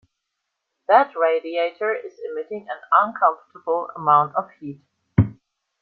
That radiator is emitting an uncomfortable amount of heat.